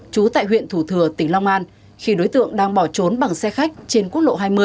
trú tại huyện thủ thừa tỉnh long an khi đối tượng đang bỏ trốn bằng xe khách trên quốc lộ hai mươi